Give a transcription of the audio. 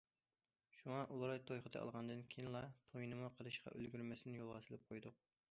شۇڭا ئۇلار توي خېتى ئالغاندىن كېيىنلا تويىنىمۇ قىلىشقا ئۈلگۈرمەستىن يولغا سېلىپ قويدۇق.